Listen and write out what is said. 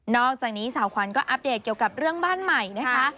อกจากนี้สาวขวัญก็อัปเดตเกี่ยวกับเรื่องบ้านใหม่นะคะ